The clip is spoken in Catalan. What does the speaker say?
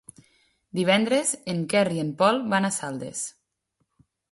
Divendres en Quer i en Pol van a Saldes.